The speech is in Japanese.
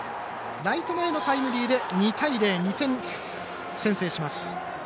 ライト前のタイムリーで２対０２点先制します。